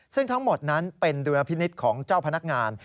ซึ่งทั้งหมดนั้นเป็นดุลพินิษฐ์ของเจ้าพนักงาน